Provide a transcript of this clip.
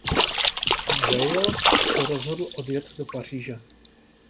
Weil se rozhodl odjet do Paříže.